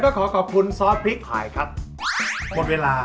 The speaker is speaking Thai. แล้วก็ขอขอบคุณซอสพริกไข่คัดหมดเวลา